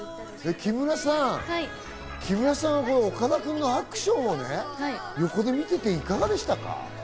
木村さん、木村さん、岡田くんのアクションをね、横で見ていていかがでしたか？